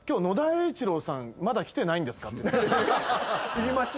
入り待ち？